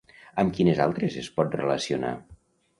Amb quines altres es pot relacionar?